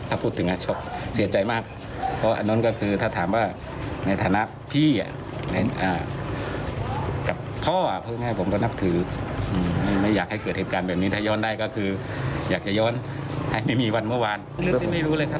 เล็กอย่างเราก็ไม่ได้อยู่ในบ้านที่ใกล้กันมาก